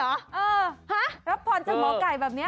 เออฮะรับพรจากหมอไก่แบบนี้